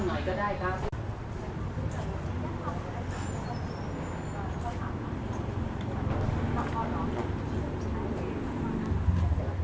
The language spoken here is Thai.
โอเคจริงรอแป๊บความ